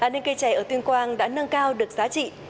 nên cây trẻ ở tuyên quang đã nâng cao được giá trị